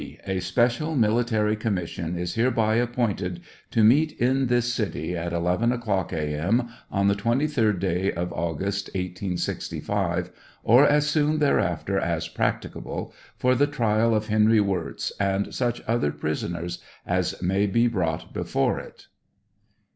A special military commission is hereby appointed to meet in this city at 11 o'cock a. m., on the 23d day of August, 1865, or as soon thereafter as prac ticable, for the trial of Henry Wirz, and such other prisoners as may be brought before it.